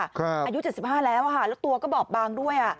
อายุ๗๕แล้วแล้วตัวก็บอบบางด้วย